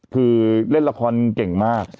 คือเล่นละครเก่งมาก